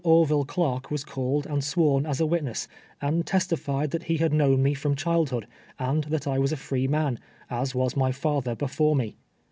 Orville Cdark was called and sworn as a wit ness, and testified that he had known me from child hood, and that I was a free man, as was mj father he fore me.